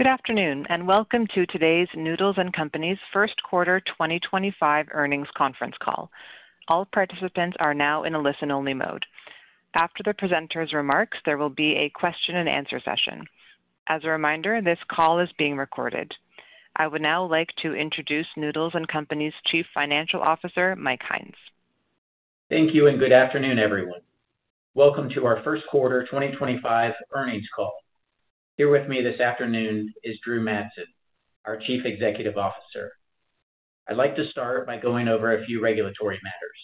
Good afternoon, and welcome to today's Noodles & Company's first quarter 2025 earnings conference call. All participants are now in a listen-only mode. After the presenter's remarks, there will be a question-and-answer session. As a reminder, this call is being recorded. I would now like to introduce Noodles & Company's Chief Financial Officer, Mike Hynes. Thank you, and good afternoon, everyone. Welcome to our first quarter 2025 earnings call. Here with me this afternoon is Drew Madsen, our Chief Executive Officer. I'd like to start by going over a few regulatory matters.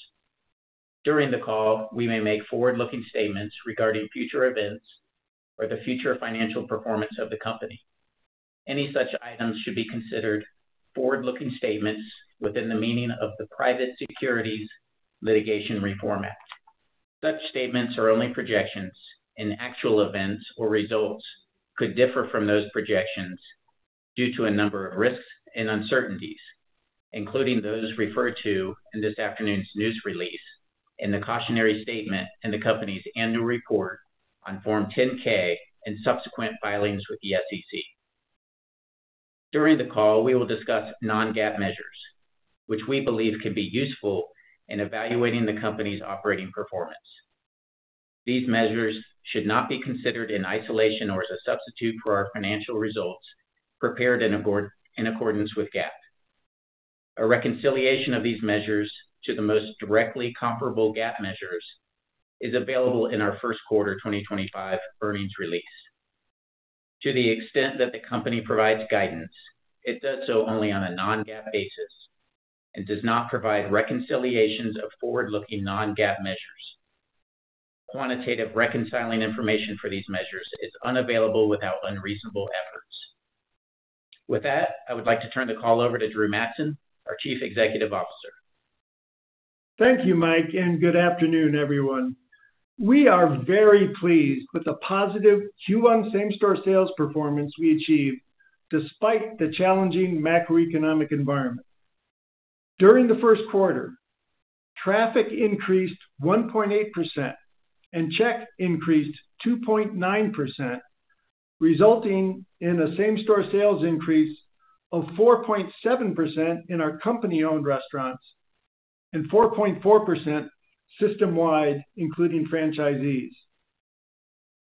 During the call, we may make forward-looking statements regarding future events or the future financial performance of the company. Any such items should be considered forward-looking statements within the meaning of the Private Securities Litigation Reform Act. Such statements are only projections, and actual events or results could differ from those projections due to a number of risks and uncertainties, including those referred to in this afternoon's news release, in the cautionary statement, and the company's annual report on Form 10-K and subsequent filings with the SEC. During the call, we will discuss non-GAAP measures, which we believe can be useful in evaluating the company's operating performance. These measures should not be considered in isolation or as a substitute for our financial results prepared in accordance with GAAP. A reconciliation of these measures to the most directly comparable GAAP measures is available in our first quarter 2025 earnings release. To the extent that the company provides guidance, it does so only on a non-GAAP basis and does not provide reconciliations of forward-looking non-GAAP measures. Quantitative reconciling information for these measures is unavailable without unreasonable efforts. With that, I would like to turn the call over to Drew Madsen, our Chief Executive Officer. Thank you, Mike, and good afternoon, everyone. We are very pleased with the positive Q1 same-store sales performance we achieved despite the challenging macroeconomic environment. During the first quarter, traffic increased 1.8% and check increased 2.9%, resulting in a same-store sales increase of 4.7% in our company-owned restaurants and 4.4% system-wide, including franchisees.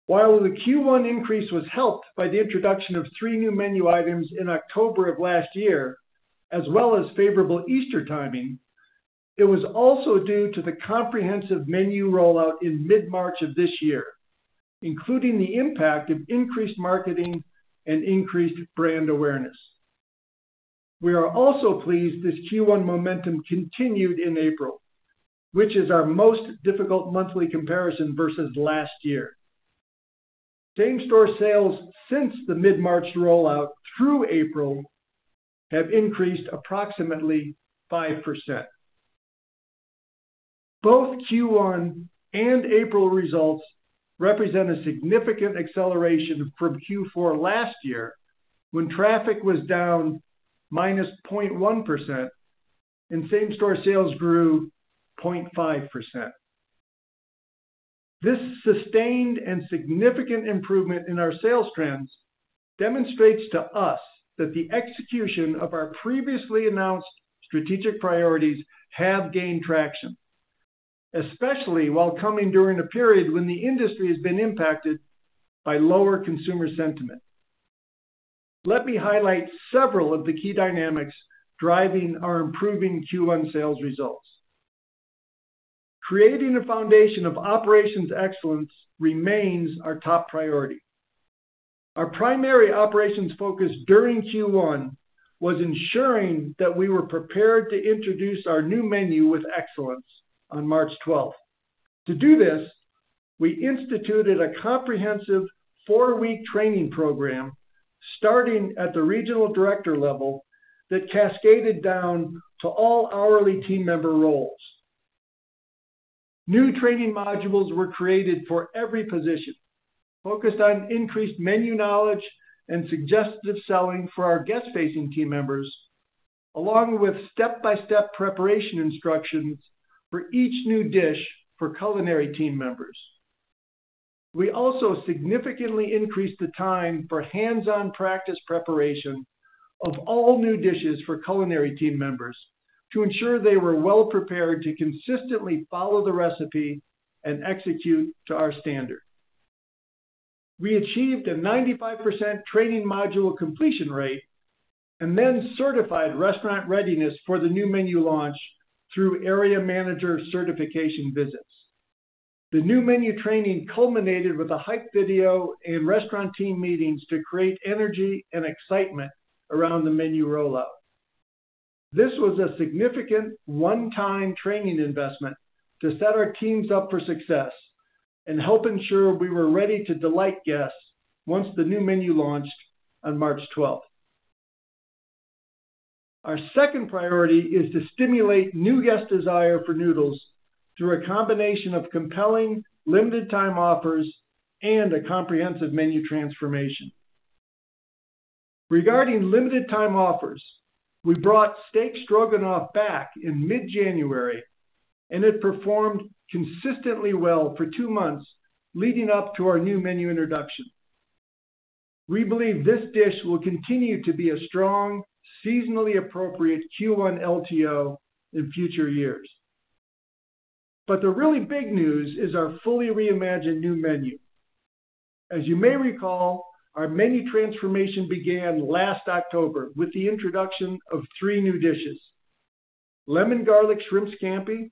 While the Q1 increase was helped by the introduction of three new menu items in October of last year, as well as favorable Easter timing, it was also due to the comprehensive menu rollout in mid-March of this year, including the impact of increased marketing and increased brand awareness. We are also pleased this Q1 momentum continued in April, which is our most difficult monthly comparison versus last year. Same-store sales since the mid-March rollout through April have increased approximately 5%. Both Q1 and April results represent a significant acceleration from Q4 last year when traffic was down minus 0.1% and same-store sales grew 0.5%. This sustained and significant improvement in our sales trends demonstrates to us that the execution of our previously announced strategic priorities has gained traction, especially while coming during a period when the industry has been impacted by lower consumer sentiment. Let me highlight several of the key dynamics driving our improving Q1 sales results. Creating a foundation of operations excellence remains our top priority. Our primary operations focus during Q1 was ensuring that we were prepared to introduce our new menu with excellence on March 12th. To do this, we instituted a comprehensive four-week training program starting at the regional director level that cascaded down to all hourly team member roles. New training modules were created for every position, focused on increased menu knowledge and suggestive selling for our guest-facing team members, along with step-by-step preparation instructions for each new dish for culinary team members. We also significantly increased the time for hands-on practice preparation of all new dishes for culinary team members to ensure they were well prepared to consistently follow the recipe and execute to our standard. We achieved a 95% training module completion rate and then certified restaurant readiness for the new menu launch through area manager certification visits. The new menu training culminated with a hype video and restaurant team meetings to create energy and excitement around the menu rollout. This was a significant one-time training investment to set our teams up for success and help ensure we were ready to delight guests once the new menu launched on March 12th. Our second priority is to stimulate new guest desire for noodles through a combination of compelling limited-time offers and a comprehensive menu transformation. Regarding limited-time offers, we brought steak stroganoff back in mid-January, and it performed consistently well for two months leading up to our new menu introduction. We believe this dish will continue to be a strong, seasonally appropriate Q1 LTO in future years. The really big news is our fully reimagined new menu. As you may recall, our menu transformation began last October with the introduction of three new dishes: lemon garlic shrimp scampi,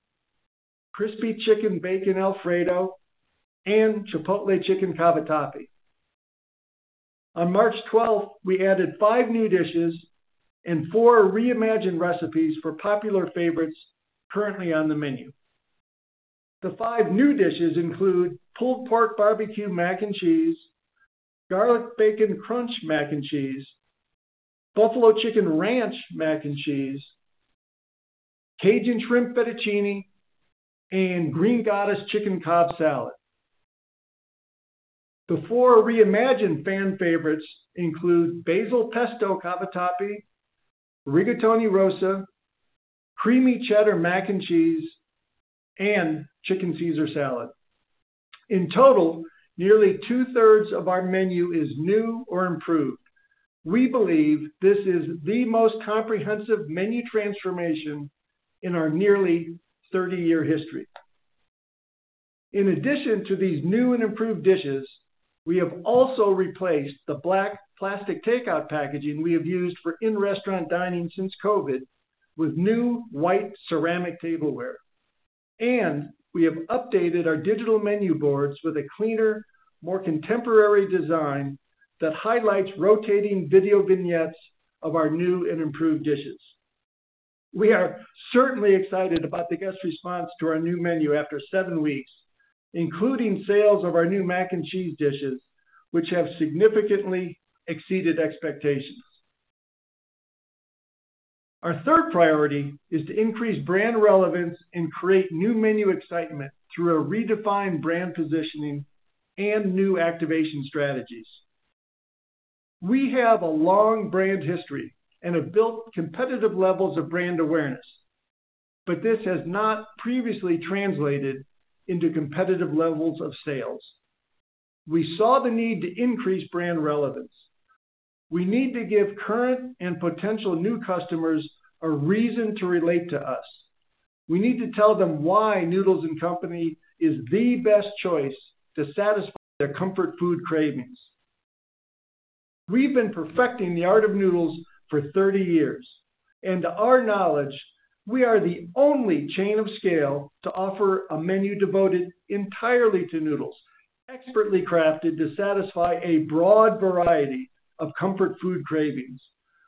crispy chicken bacon Alfredo, and chipotle chicken cavatappi. On March 12th, we added five new dishes and four reimagined recipes for popular favorites currently on the menu. The five new dishes include pulled pork barbecue mac and cheese, garlic bacon crunch mac and cheese, buffalo chicken ranch mac and cheese, Cajun shrimp fettuccine, and green goddess chicken cobb salad. The four reimagined fan favorites include basil pesto cavatappi, rigatoni rosa, creamy cheddar mac and cheese, and chicken Caesar salad. In total, nearly two-thirds of our menu is new or improved. We believe this is the most comprehensive menu transformation in our nearly 30-year history. In addition to these new and improved dishes, we have also replaced the black plastic takeout packaging we have used for in-restaurant dining since COVID with new white ceramic tableware. We have updated our digital menu boards with a cleaner, more contemporary design that highlights rotating video vignettes of our new and improved dishes. We are certainly excited about the guest response to our new menu after seven weeks, including sales of our new mac and cheese dishes, which have significantly exceeded expectations. Our third priority is to increase brand relevance and create new menu excitement through a redefined brand positioning and new activation strategies. We have a long brand history and have built competitive levels of brand awareness, but this has not previously translated into competitive levels of sales. We saw the need to increase brand relevance. We need to give current and potential new customers a reason to relate to us. We need to tell them why Noodles & Company is the best choice to satisfy their comfort food cravings. We've been perfecting the art of noodles for 30 years. To our knowledge, we are the only chain of scale to offer a menu devoted entirely to noodles, expertly crafted to satisfy a broad variety of comfort food cravings.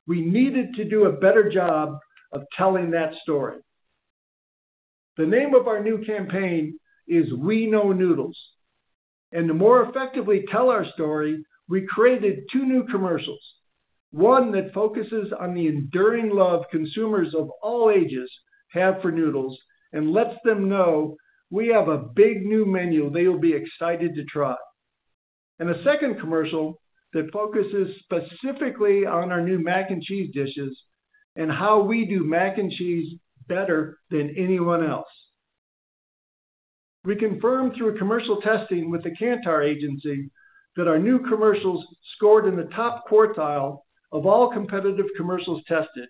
We needed to do a better job of telling that story. The name of our new campaign is We Know Noodles. To more effectively tell our story, we created two new commercials: one that focuses on the enduring love consumers of all ages have for noodles and lets them know we have a big new menu they will be excited to try, and a second commercial that focuses specifically on our new mac and cheese dishes and how we do mac and cheese better than anyone else. We confirmed through commercial testing with the Kantar Agency that our new commercials scored in the top quartile of all competitive commercials tested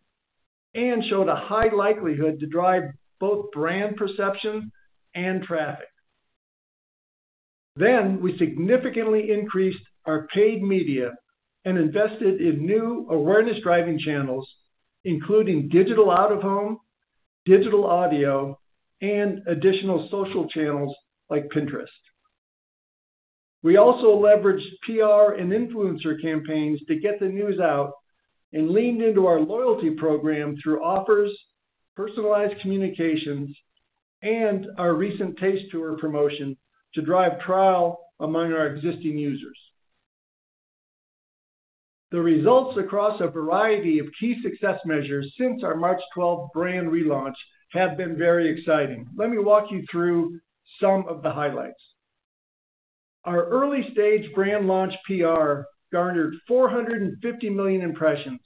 and showed a high likelihood to drive both brand perception and traffic. We significantly increased our paid media and invested in new awareness-driving channels, including digital out-of-home, digital audio, and additional social channels like Pinterest. We also leveraged PR and influencer campaigns to get the news out and leaned into our loyalty program through offers, personalized communications, and our recent taste tour promotion to drive trial among our existing users. The results across a variety of key success measures since our March 12th brand relaunch have been very exciting. Let me walk you through some of the highlights. Our early-stage brand launch PR garnered 450 million impressions,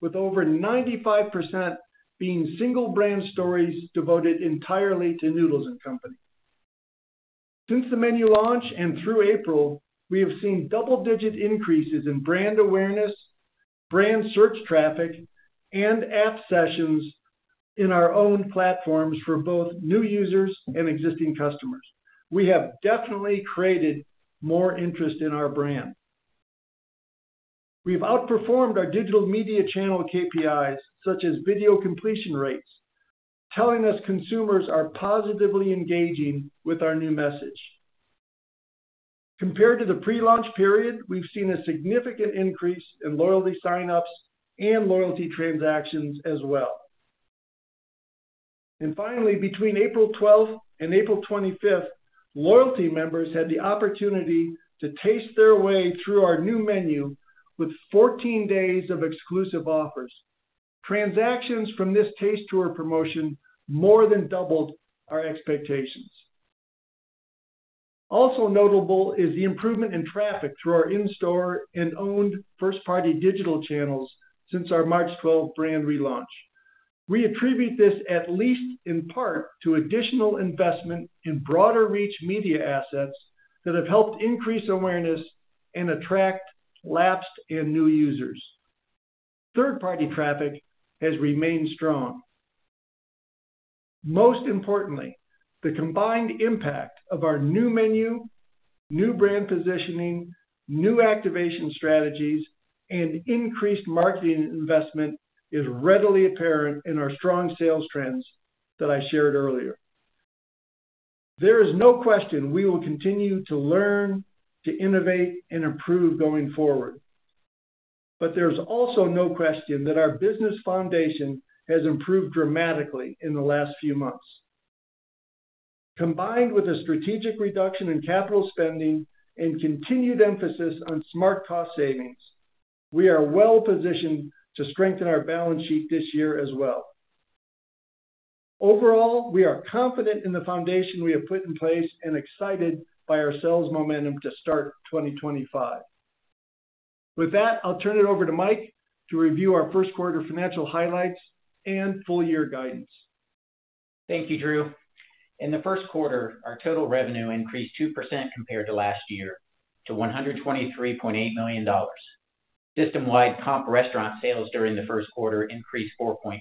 with over 95% being single-brand stories devoted entirely to Noodles & Company. Since the menu launch and through April, we have seen double-digit increases in brand awareness, brand search traffic, and app sessions in our own platforms for both new users and existing customers. We have definitely created more interest in our brand. We have outperformed our digital media channel KPIs such as video completion rates, telling us consumers are positively engaging with our new message. Compared to the pre-launch period, we have seen a significant increase in loyalty sign-ups and loyalty transactions as well. Finally, between April 12th and April 25th, loyalty members had the opportunity to taste their way through our new menu with 14 days of exclusive offers. Transactions from this taste tour promotion more than doubled our expectations. Also notable is the improvement in traffic through our in-store and owned first-party digital channels since our March 12th brand relaunch. We attribute this at least in part to additional investment in broader-reach media assets that have helped increase awareness and attract lapsed and new users. Third-party traffic has remained strong. Most importantly, the combined impact of our new menu, new brand positioning, new activation strategies, and increased marketing investment is readily apparent in our strong sales trends that I shared earlier. There is no question we will continue to learn, to innovate, and improve going forward. There is also no question that our business foundation has improved dramatically in the last few months. Combined with a strategic reduction in capital spending and continued emphasis on smart cost savings, we are well positioned to strengthen our balance sheet this year as well. Overall, we are confident in the foundation we have put in place and excited by our sales momentum to start 2025. With that, I'll turn it over to Mike to review our first-quarter financial highlights and full-year guidance. Thank you, Drew. In the first quarter, our total revenue increased 2% compared to last year to $123.8 million. System-wide comp restaurant sales during the first quarter increased 4.4%,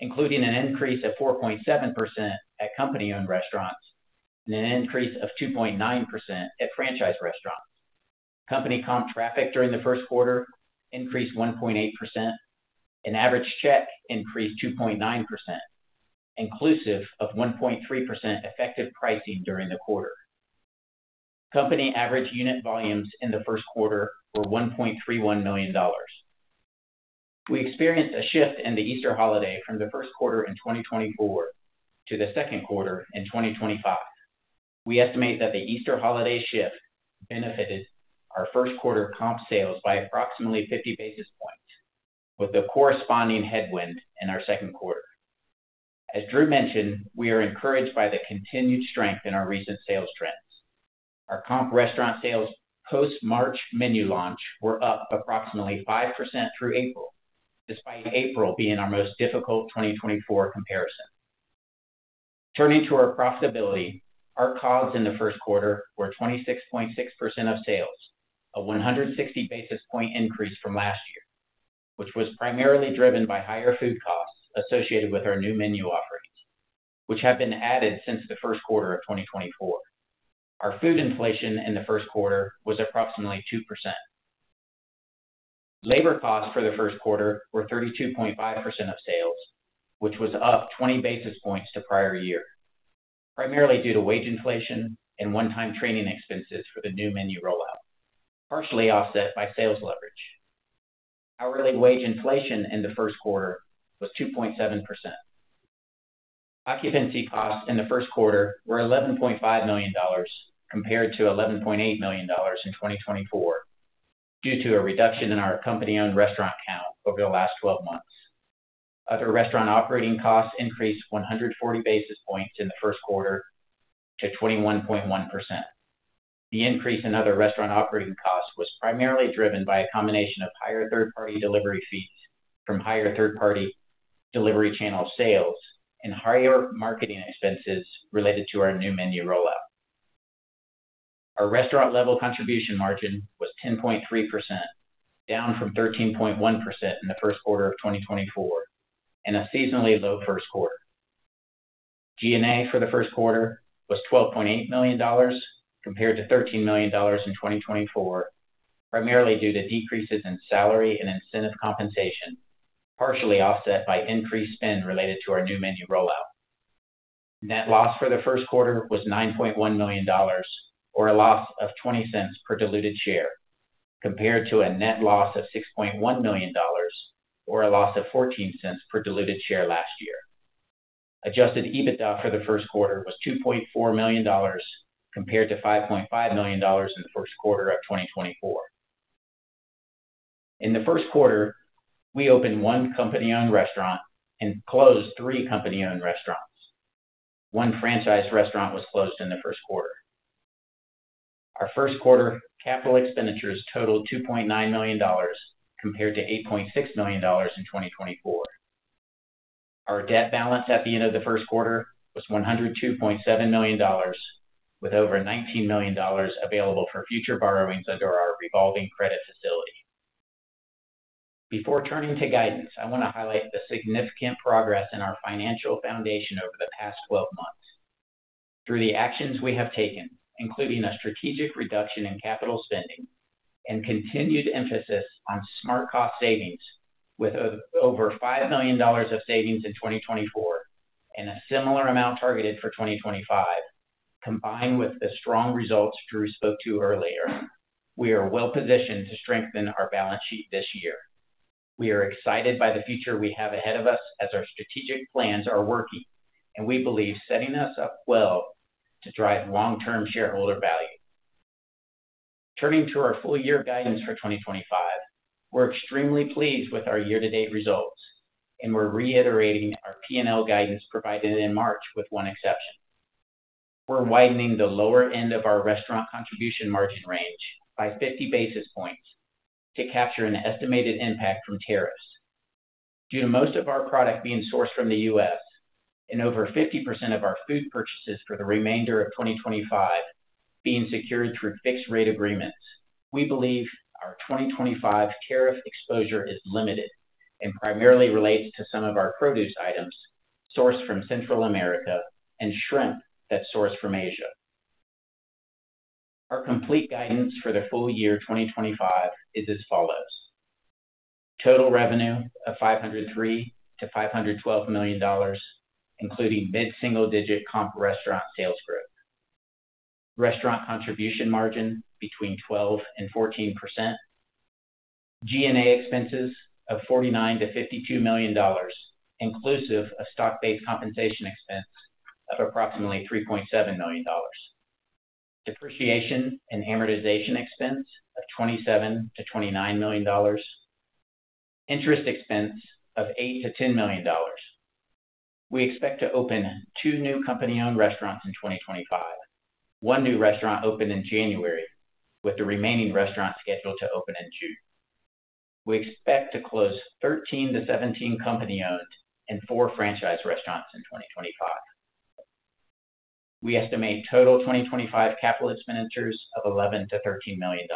including an increase of 4.7% at company-owned restaurants and an increase of 2.9% at franchise restaurants. Company comp traffic during the first quarter increased 1.8%. An average check increased 2.9%, inclusive of 1.3% effective pricing during the quarter. Company average unit volumes in the first quarter were $1.31 million. We experienced a shift in the Easter holiday from the first quarter in 2024 to the second quarter in 2025. We estimate that the Easter holiday shift benefited our first-quarter comp sales by approximately 50 basis points, with a corresponding headwind in our second quarter. As Drew mentioned, we are encouraged by the continued strength in our recent sales trends. Our comp restaurant sales post-March menu launch were up approximately 5% through April, despite April being our most difficult 2024 comparison. Turning to our profitability, our COGS in the first quarter were 26.6% of sales, a 160 basis point increase from last year, which was primarily driven by higher food costs associated with our new menu offerings, which have been added since the first quarter of 2024. Our food inflation in the first quarter was approximately 2%. Labor costs for the first quarter were 32.5% of sales, which was up 20 basis points to prior year, primarily due to wage inflation and one-time training expenses for the new menu rollout, partially offset by sales leverage. Hourly wage inflation in the first quarter was 2.7%. Occupancy costs in the first quarter were $11.5 million compared to $11.8 million in 2024 due to a reduction in our company-owned restaurant count over the last 12 months. Other restaurant operating costs increased 140 basis points in the first quarter to 21.1%. The increase in other restaurant operating costs was primarily driven by a combination of higher third-party delivery fees from higher third-party delivery channel sales and higher marketing expenses related to our new menu rollout. Our restaurant-level contribution margin was 10.3%, down from 13.1% in the first quarter of 2024 and a seasonally low first quarter. G&A for the first quarter was $12.8 million compared to $13 million in 2024, primarily due to decreases in salary and incentive compensation, partially offset by increased spend related to our new menu rollout. Net loss for the first quarter was $9.1 million, or a loss of $0.20 per diluted share, compared to a net loss of $6.1 million, or a loss of $0.14 per diluted share last year. Adjusted EBITDA for the first quarter was $2.4 million compared to $5.5 million in the first quarter of 2023. In the first quarter, we opened one company-owned restaurant and closed three company-owned restaurants. One franchise restaurant was closed in the first quarter. Our first quarter capital expenditures totaled $2.9 million compared to $8.6 million in 2023. Our debt balance at the end of the first quarter was $102.7 million, with over $19 million available for future borrowings under our revolving credit facility. Before turning to guidance, I want to highlight the significant progress in our financial foundation over the past 12 months. Through the actions we have taken, including a strategic reduction in capital spending and continued emphasis on smart cost savings, with over $5 million of savings in 2024 and a similar amount targeted for 2025, combined with the strong results Drew spoke to earlier, we are well positioned to strengthen our balance sheet this year. We are excited by the future we have ahead of us as our strategic plans are working, and we believe setting us up well to drive long-term shareholder value. Turning to our full-year guidance for 2025, we're extremely pleased with our year-to-date results, and we're reiterating our P&L guidance provided in March with one exception. We're widening the lower end of our restaurant contribution margin range by 50 basis points to capture an estimated impact from tariffs. Due to most of our product being sourced from the U.S. and over 50% of our food purchases for the remainder of 2025 being secured through fixed-rate agreements, we believe our 2025 tariff exposure is limited and primarily relates to some of our produce items sourced from Central America and shrimp that's sourced from Asia. Our complete guidance for the full year 2025 is as follows: total revenue of $503-$512 million, including mid-single-digit comp restaurant sales growth; restaurant contribution margin between 12%-14%; G&A expenses of $49-$52 million, inclusive of stock-based compensation expense of approximately $3.7 million; depreciation and amortization expense of $27-$29 million; interest expense of $8-$10 million. We expect to open two new company-owned restaurants in 2025. One new restaurant opened in January, with the remaining restaurants scheduled to open in June. We expect to close 13-17 company-owned and four franchise restaurants in 2025. We estimate total 2025 capital expenditures of $11-$13 million.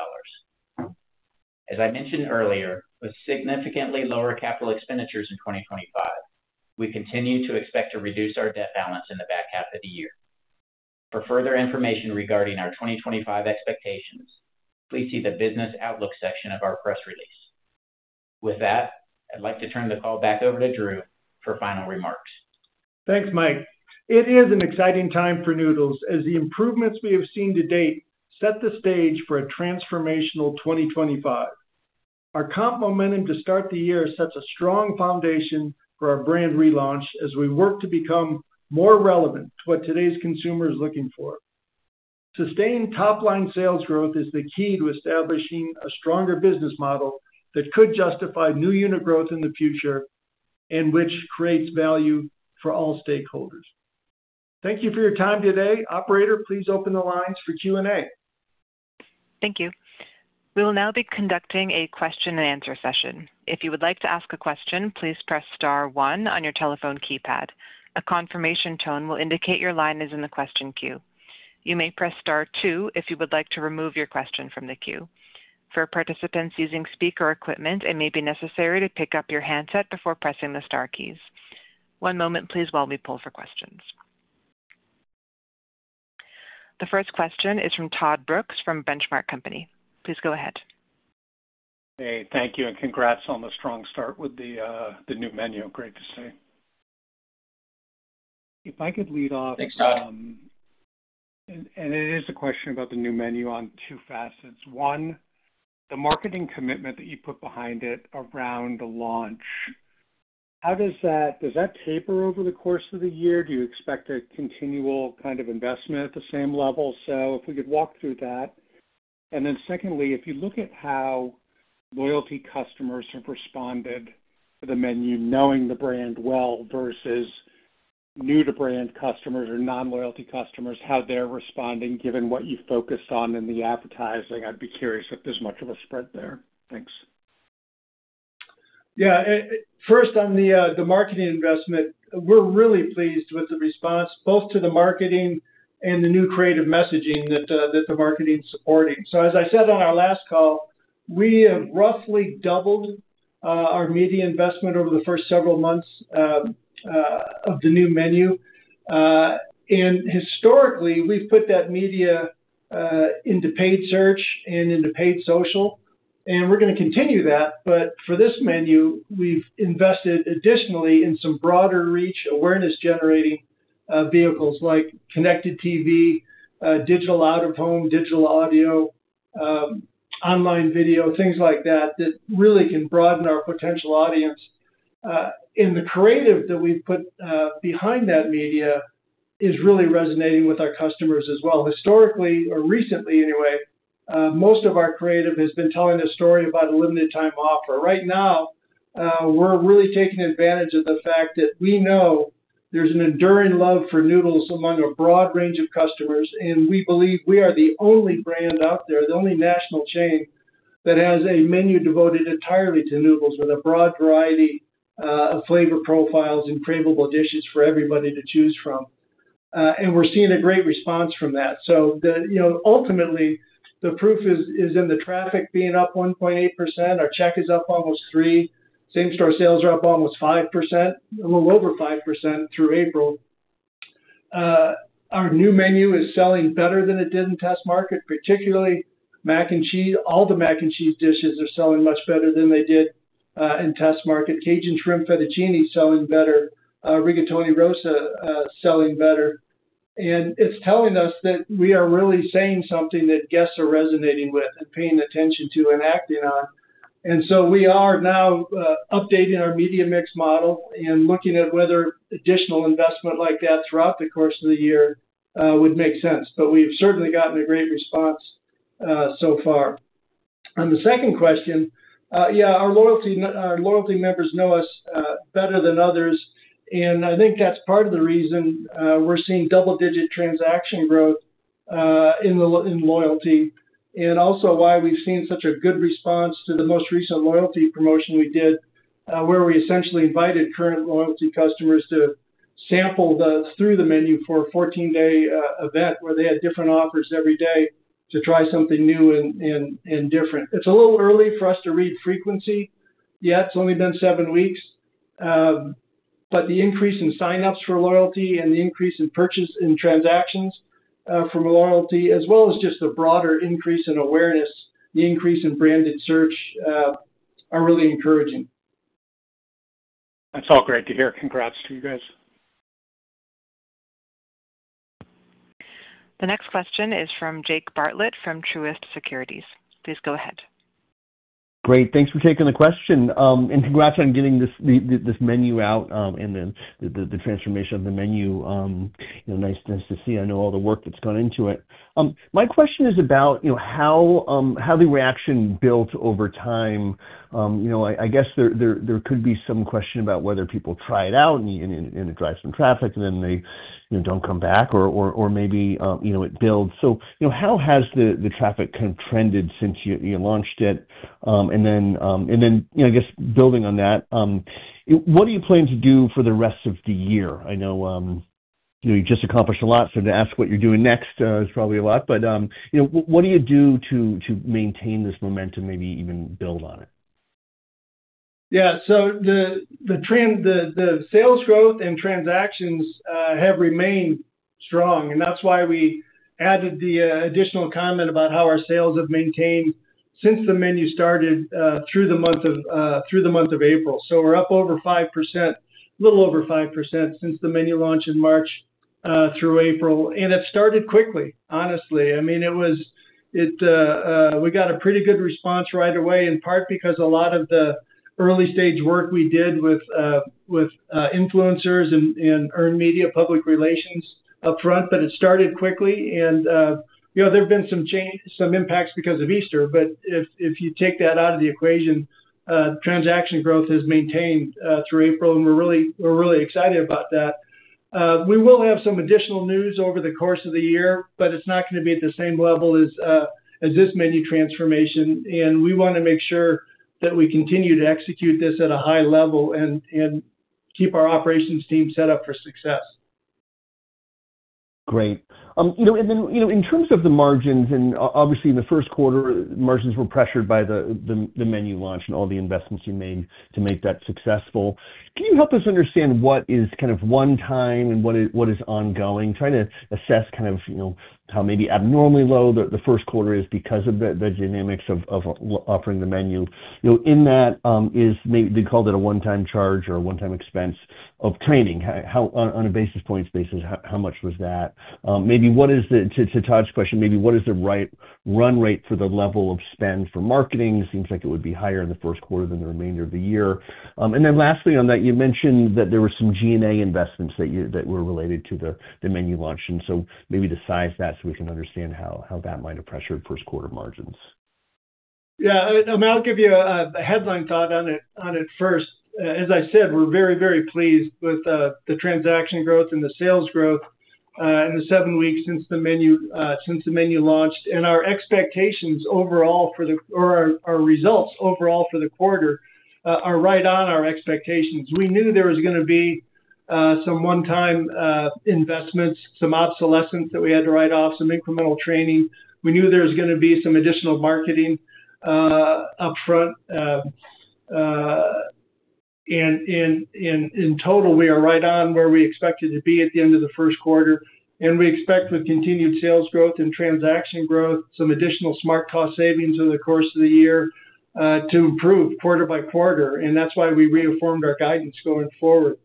As I mentioned earlier, with significantly lower capital expenditures in 2025, we continue to expect to reduce our debt balance in the back half of the year. For further information regarding our 2025 expectations, please see the business outlook section of our press release. With that, I'd like to turn the call back over to Drew for final remarks. Thanks, Mike. It is an exciting time for Noodles & Company as the improvements we have seen to date set the stage for a transformational 2025. Our comp momentum to start the year sets a strong foundation for our brand relaunch as we work to become more relevant to what today's consumer is looking for. Sustained top-line sales growth is the key to establishing a stronger business model that could justify new unit growth in the future and which creates value for all stakeholders. Thank you for your time today. Operator, please open the lines for Q&A. Thank you. We will now be conducting a question-and-answer session. If you would like to ask a question, please press star one on your telephone keypad. A confirmation tone will indicate your line is in the question queue. You may press star two if you would like to remove your question from the queue. For participants using speaker equipment, it may be necessary to pick up your handset before pressing the Star keys. One moment, please, while we pull for questions. The first question is from Todd Brooks from Benchmark Company. Please go ahead. Hey, thank you. Congrats on the strong start with the new menu. Great to see. If I could lead off. Thanks, Todd. It is a question about the new menu on two facets. One, the marketing commitment that you put behind it around the launch, how does that—does that taper over the course of the year? Do you expect a continual kind of investment at the same level? If we could walk through that. Then secondly, if you look at how loyalty customers have responded to the menu knowing the brand well versus new-to-brand customers or non-loyalty customers, how they're responding given what you focused on in the advertising, I'd be curious if there's much of a spread there. Thanks. Yeah. First, on the marketing investment, we're really pleased with the response both to the marketing and the new creative messaging that the marketing is supporting. As I said on our last call, we have roughly doubled our media investment over the first several months of the new menu. Historically, we've put that media into paid search and into paid social. We're going to continue that. For this menu, we've invested additionally in some broader-reach awareness-generating vehicles like connected TV, digital out-of-home, digital audio, online video, things like that that really can broaden our potential audience. The creative that we've put behind that media is really resonating with our customers as well. Historically, or recently anyway, most of our creative has been telling a story about a limited-time offer. Right now, we're really taking advantage of the fact that we know there's an enduring love for Noodles among a broad range of customers. We believe we are the only brand out there, the only national chain that has a menu devoted entirely to Noodles with a broad variety of flavor profiles and craveable dishes for everybody to choose from. We're seeing a great response from that. Ultimately, the proof is in the traffic being up 1.8%. Our check is up almost 3%. Same-store sales are up almost 5%, a little over 5% through April. Our new menu is selling better than it did in test market, particularly mac and cheese. All the mac and cheese dishes are selling much better than they did in test market. Cajun shrimp fettuccine is selling better. Rigatoni rosa is selling better. It is telling us that we are really saying something that guests are resonating with, paying attention to, and acting on. We are now updating our media mix model and looking at whether additional investment like that throughout the course of the year would make sense. We have certainly gotten a great response so far. On the second question, yeah, our loyalty members know us better than others. I think that is part of the reason we are seeing double-digit transaction growth in loyalty and also why we have seen such a good response to the most recent loyalty promotion we did, where we essentially invited current loyalty customers to sample through the menu for a 14-day event where they had different offers every day to try something new and different. It is a little early for us to read frequency. Yeah, it has only been seven weeks. The increase in sign-ups for loyalty and the increase in purchase and transactions from loyalty, as well as just a broader increase in awareness, the increase in branded search, are really encouraging. That's all great to hear. Congrats to you guys. The next question is from Jake Bartlett from Truist Securities. Please go ahead. Great. Thanks for taking the question. And congrats on getting this menu out and then the transformation of the menu. Nice to see. I know all the work that's gone into it. My question is about how the reaction built over time. I guess there could be some question about whether people try it out and it drives some traffic and then they do not come back or maybe it builds. How has the traffic kind of trended since you launched it? I guess building on that, what are you planning to do for the rest of the year? I know you just accomplished a lot, so to ask what you are doing next is probably a lot. What do you do to maintain this momentum, maybe even build on it? Yeah. The sales growth and transactions have remained strong. That is why we added the additional comment about how our sales have maintained since the menu started through the month of April. We are up over 5%, a little over 5% since the menu launch in March through April. It started quickly, honestly. I mean, we got a pretty good response right away, in part because a lot of the early-stage work we did with influencers and earned media public relations upfront, but it started quickly. There have been some impacts because of Easter. If you take that out of the equation, transaction growth has maintained through April, and we are really excited about that. We will have some additional news over the course of the year, but it is not going to be at the same level as this menu transformation. We want to make sure that we continue to execute this at a high level and keep our operations team set up for success. Great. In terms of the margins, obviously in the first quarter, margins were pressured by the menu launch and all the investments you made to make that successful. Can you help us understand what is kind of one-time and what is ongoing? Trying to assess kind of how maybe abnormally low the first quarter is because of the dynamics of offering the menu. In that, they called it a one-time charge or a one-time expense of training. On a basis points basis, how much was that? Maybe what is the—to Todd's question, maybe what is the run rate for the level of spend for marketing? Seems like it would be higher in the first quarter than the remainder of the year. Lastly on that, you mentioned that there were some G&A investments that were related to the menu launch. Maybe to size that so we can understand how that might have pressured first-quarter margins. Yeah. I'll give you a headline thought on it first. As I said, we're very, very pleased with the transaction growth and the sales growth in the seven weeks since the menu launched. Our expectations overall for the—or our results overall for the quarter are right on our expectations. We knew there was going to be some one-time investments, some obsolescence that we had to write off, some incremental training. We knew there was going to be some additional marketing upfront. In total, we are right on where we expected to be at the end of the first quarter. We expect with continued sales growth and transaction growth, some additional smart cost savings over the course of the year to improve quarter by quarter. That is why we reaffirmed our guidance going forward.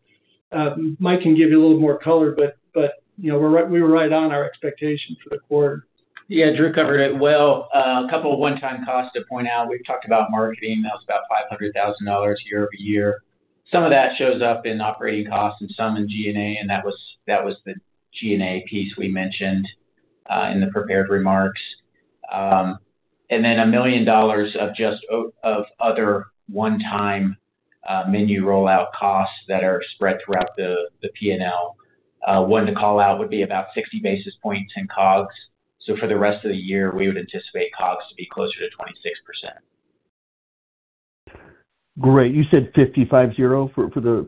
Mike can give you a little more color, but we were right on our expectation for the quarter. Yeah. Drew covered it well. A couple of one-time costs to point out. We've talked about marketing. That was about $500,000 year over year. Some of that shows up in operating costs and some in G&A. That was the G&A piece we mentioned in the prepared remarks. A million dollars of just other one-time menu rollout costs that are spread throughout the P&L. One to call out would be about 60 basis points in COGS. For the rest of the year, we would anticipate COGS to be closer to 26%. Great. You said $5,500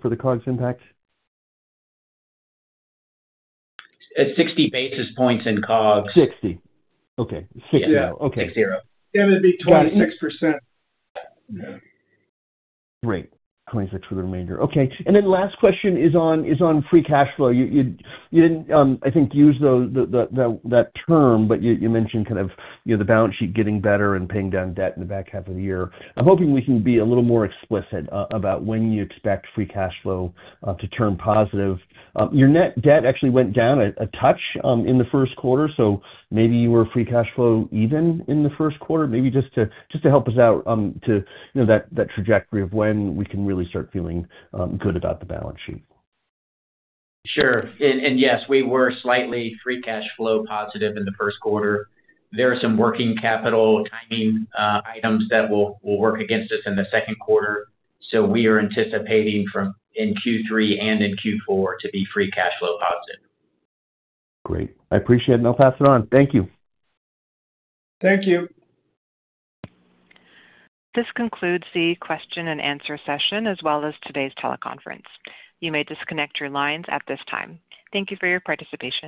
for the COGS impact? 60 basis points in COGS. 60. Okay. Yeah. 60. It would be 26%. Great. Twenty-six for the remainder. Okay. Last question is on free cash flow. You did not, I think, use that term, but you mentioned kind of the balance sheet getting better and paying down debt in the back half of the year. I'm hoping we can be a little more explicit about when you expect free cash flow to turn positive. Your net debt actually went down a touch in the first quarter. Maybe you were free cash flow even in the first quarter. Maybe just help us out to that trajectory of when we can really start feeling good about the balance sheet. Sure. Yes, we were slightly free cash flow positive in the first quarter. There are some working capital timing items that will work against us in the second quarter. We are anticipating from in Q3 and in Q4 to be free cash flow positive. Great. I appreciate it. I'll pass it on. Thank you. Thank you. This concludes the question and answer session as well as today's teleconference. You may disconnect your lines at this time. Thank you for your participation.